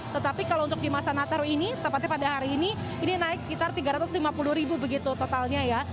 tetapi kalau untuk di masa natal ini tepatnya pada hari ini ini naik sekitar tiga ratus lima puluh ribu begitu totalnya ya